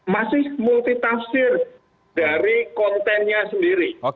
masih multi tafsir dari kontennya sendiri